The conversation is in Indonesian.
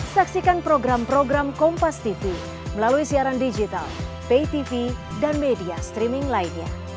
saksikan program program kompas tv melalui siaran digital pay tv dan media streaming lainnya